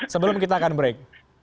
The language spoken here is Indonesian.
sebelum kita akan break